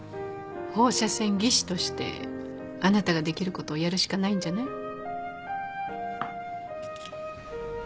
放射線技師としてあなたができることをやるしかないんじゃない？